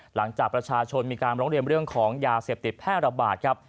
หลังจากประชาชนมีการร้องเรียนเรื่องของยาเสพติดแพร่ระบาดครับ